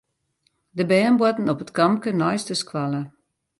De bern boarten op it kampke neist de skoalle.